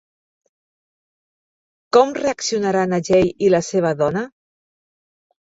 Com reaccionaran Ajay i la seva dona?